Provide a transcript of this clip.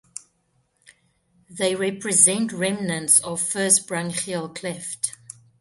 They represent remnants of first branchial cleft.